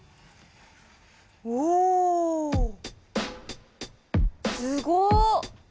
おお！すごっ！